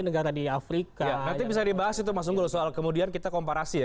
nanti bisa dibahas itu mas unggul soal kemudian kita komparasi ya